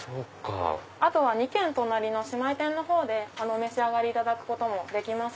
あとは２軒隣の姉妹店のほうでお召し上がりいただけます。